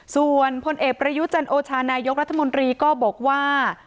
ส่วนพลเอกประยุจันโอชานายกรัฐมนตรีก็บอกว่า